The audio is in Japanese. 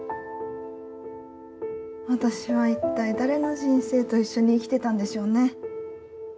私は、いったい誰の人生と一緒に生きてたんでしょうね。